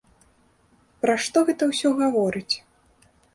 Пра што гэта ўсё гаворыць?